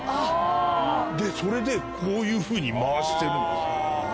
でそれでこういうふうに回してるんですよ。